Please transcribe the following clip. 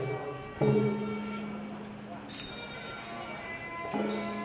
สวัสดีครับทุกคน